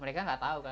mereka gak tau kan